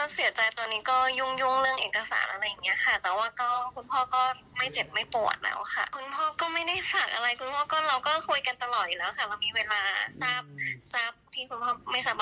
สร้างข่าวครั้งแรกอะไรอย่างนี้ค่ะก็ขอบคุณคุณพ่อก็ดีใจมากที่หลายคนจำทันได้